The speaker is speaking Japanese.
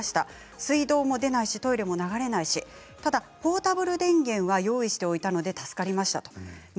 水道も出ないしトイレも流れないしポータブル電源を用意していたので助かりました。